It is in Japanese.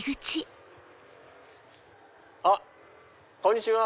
あっこんにちは。